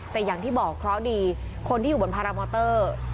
แต่อย่างที่บอกเคราะห์ดีคนที่อยู่บนพารามอเตอร์